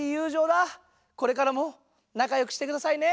これからもなかよくしてくださいね。